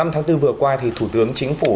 năm tháng bốn vừa qua thì thủ tướng chính phủ